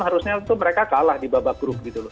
harusnya mereka kalah di babak grup